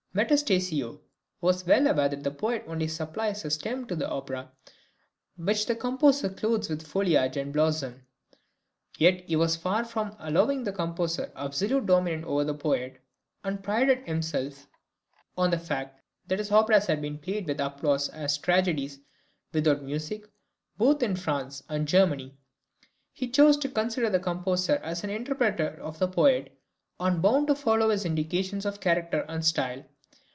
Metastasio was well aware that the poet only supplies a stem to the opera, which the composer clothes with foliage and blossom; but he was far from allowing the composer absolute dominion over the poet, and prided himself on the {CONDITIONS OF LIBRETTO WRITING.} (171) fact that his operas had been played with applause as tragedies without music both in France and Germany. He chose to consider the composer as the interpreter of the poet, and bound to follow his indications of character and style.